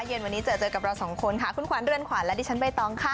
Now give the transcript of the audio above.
เย็นวันนี้เจอเจอกับเราสองคนค่ะคุณขวัญเรือนขวัญและดิฉันใบตองค่ะ